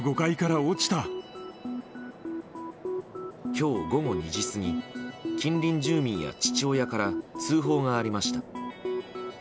今日午後２時過ぎ近隣住民や父親から通報がありました。